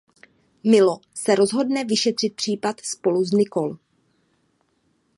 Milo se rozhodne vyšetřit případ spolu s Nicole.